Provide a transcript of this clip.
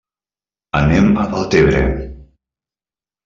Anem a Deltebre.